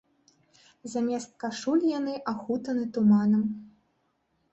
Замест кашуль яны ахутаны туманам.